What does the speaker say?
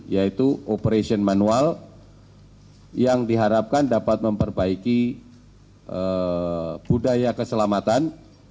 yaitu operation manual yang diharapkan dapat memperbaiki budaya keselamatan